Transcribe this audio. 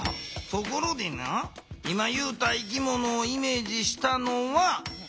ところでな今ゆうた生き物をイメージしたのはなんでや？